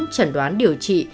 chẩn đoán điều trị